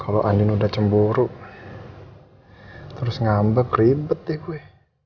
kalau angin udah cemburu terus ngambek ribet deh gue